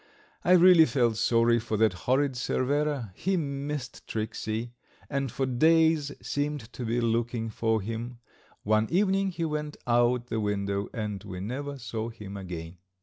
I really felt sorry for that horrid Cervera. He missed Tricksey, and for days seemed to be looking for him. One evening he went out the window, and we never saw him again.